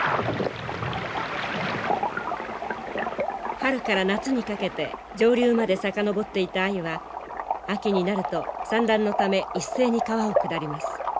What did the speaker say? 春から夏にかけて上流まで遡っていたアユは秋になると産卵のため一斉に川を下ります。